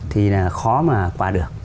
thì là khó mà qua được